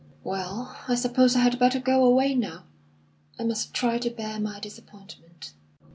"Well, I suppose I had better go away now. I must try to bear my disappointment."